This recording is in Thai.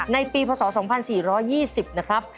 ในปีพศ๒๔๒๐นะครับ